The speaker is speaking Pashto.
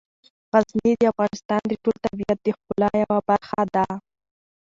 غزني د افغانستان د ټول طبیعت د ښکلا یوه برخه ده.